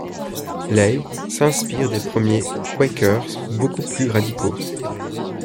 Lay s’inspire des premiers quakers, beaucoup plus radicaux.